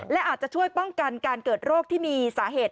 และอาจจะช่วยป้องกันการเกิดโรคที่มีสาเหตุ